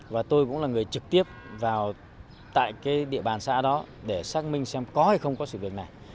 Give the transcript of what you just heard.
và tôi cũng là người trực tiếp vào tại cái địa bàn xã đó để xác minh xem có hay không có sự việc này